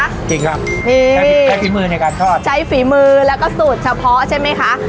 จริงครับมีใช้ฝีมือในการทอดใช้ฝีมือแล้วก็สูตรเฉพาะใช่ไหมคะ